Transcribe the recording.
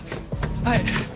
はい。